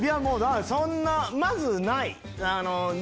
そんなまずない。